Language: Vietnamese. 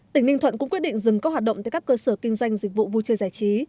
tỉnh ninh thuận cũng quyết định dừng các hoạt động tại các cơ sở kinh doanh dịch vụ vui chơi giải trí